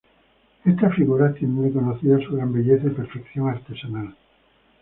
Estas figuras tienen reconocida su gran belleza y perfección artesanal.